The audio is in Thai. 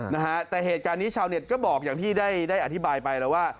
นะฮะแต่เหตุการณ์นี้ชาวเน็ตก็บอกอย่างที่ได้ได้อธิบายไปแล้วว่า